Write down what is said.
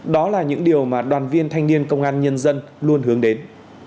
đó là những điều mà đoàn viên thanh niên công an nhân dân luôn hướng đến